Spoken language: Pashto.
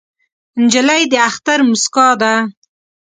نجلۍ د اختر موسکا ده.